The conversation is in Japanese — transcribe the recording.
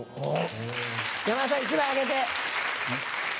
山田さん１枚あげて。